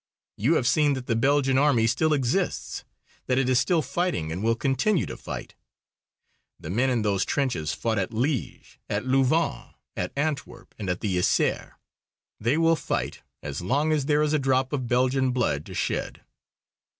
You have seen that the Belgian Army still exists; that it is still fighting and will continue to fight. The men in those trenches fought at Liège, at Louvain, at Antwerp, at the Yser. They will fight as long as there is a drop of Belgian blood to shed.